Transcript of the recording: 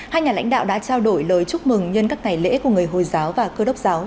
hai nhà lãnh đạo đã trao đổi lời chúc mừng nhân các ngày lễ của người hồi giáo và cơ đốc giáo